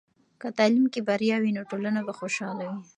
که تعلیم کې بریا وي، نو ټولنه به خوشحاله وي.